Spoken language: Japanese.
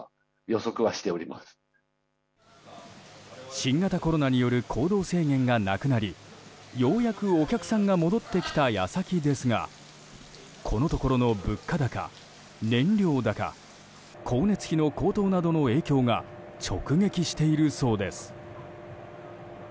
新型コロナによる行動制限がなくなりようやく、お客さんが戻ってきた矢先ですがこのところの物価高、燃料高光熱費の高騰などの影響が直撃しているそうです。